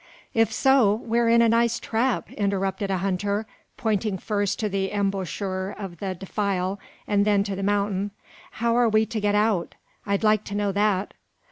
"If so, we're in a nice trap!" interrupted a hunter, pointing first to the embouchure of the defile and then to the mountain. "How are we to get out? I'd like to know that."